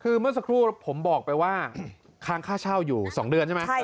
คือเมื่อสักครู่ผมบอกไปว่าค้างค่าเช่าอยู่๒เดือนใช่ไหม